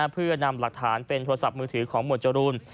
เพื่อนำหลักฐานเป็นโทรศัพท์มือถือของหมวดจรูน